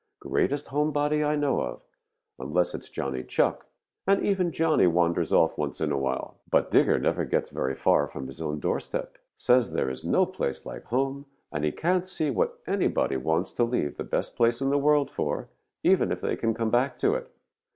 Greatest homebody I know of, unless it's Johnny Chuck, and even Johnny wanders off once in a while. But Digger never gets very far from his own doorstep. Says there is no place like home, and he can't see what anybody wants to leave the best place in the world for, even if they can come back to it."